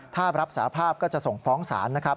ถ้ารับสาภาพก็จะส่งฟ้องศาลนะครับ